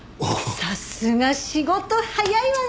さすが仕事早いわね！